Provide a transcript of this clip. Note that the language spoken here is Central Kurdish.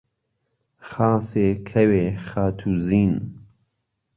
خاسێ، کەوێ، خاتووزین